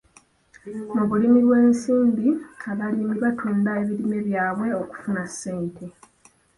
Mu bulimi bw'esimbi, abalimi batunda ebirime byabwe okufuna ssente .